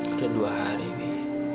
udah dua hari dewi